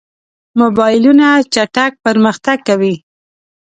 موبایلونه چټک پرمختګ کوي.